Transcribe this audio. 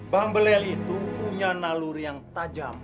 bang belel itu punya nalur yang tajam